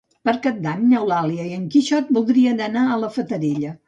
Per Cap d'Any n'Eulàlia i en Quixot voldrien anar a la Fatarella.